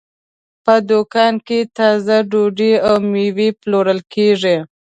په دوکان کې تازه ډوډۍ او مېوې پلورل کېږي.